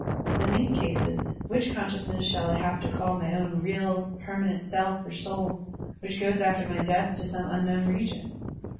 In these cases, which con sciousness shall I have to call my own real, permanent self or soul, which goes after my death to some unknown region?